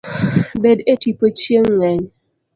Bed e tipo chieng' ng'eny